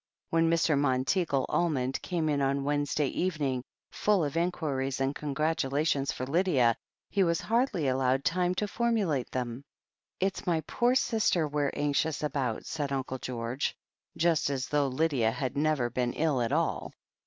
When Mr. Monteagle Almond came in on Wednes 48 THE HEEL OF ACHILLES day evening, full of inquiries and congratulations for Lydia, he was hardly allowed time to formulate them. "It's my poor sister we are anxious about," said Uncle George, just as though Lydia had never been ill at all.